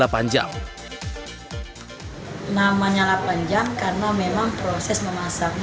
namanya delapan jam karena memang prosesnya